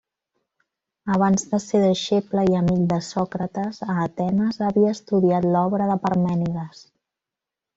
Abans de ser deixeble i amic de Sòcrates, a Atenes, havia estudiat l'obra de Parmènides.